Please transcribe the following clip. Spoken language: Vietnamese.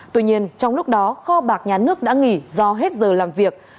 tuy nhiên trong lúc đó kho bạc nhà nước đã nghỉ do hết giờ làm việc